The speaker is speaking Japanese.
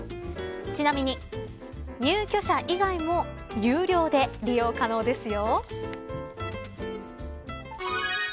ちなみに、入居者以外も有料で利用可能ですよ。